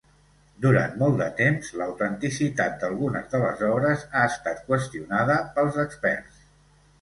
Durant molt de temps, l'autenticitat d'algunes de les obres ha estat qüestionada pels experts.